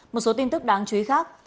một số tin tức đáng chú ý khác